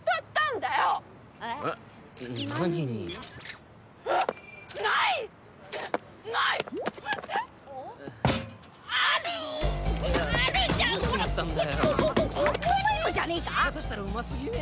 だとしたらうますぎね？